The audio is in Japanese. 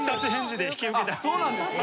そうなんですね。